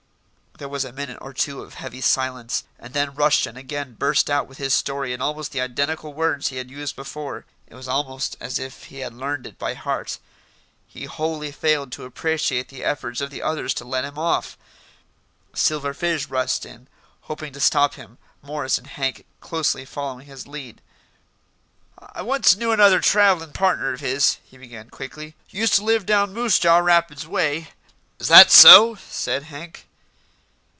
There was a minute or two of heavy silence, and then Rushton again burst out with his story in almost the identical words he had used before. It was almost as if he had learned it by heart. He wholly failed to appreciate the efforts of the others to let him off. Silver Fizz rushed in, hoping to stop him, Morris and Hank closely following his lead. "I once knew another travellin' partner of his," he began quickly; "used to live down Moosejaw Rapids way " "Is that so?" said Hank.